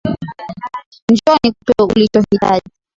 Njoo nikupee ulichohitaji